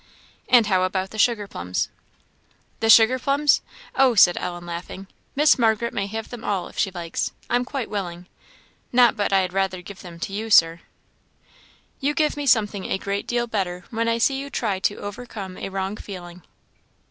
"And how about the sugar plums?" "The sugar plums! Oh," said Ellen, laughing, "Miss Margaret may have them all, if she likes I'm quite willing. Not but I had rather give them to you, Sir." "You give me something a great deal better when I see you try to overcome a wrong feeling.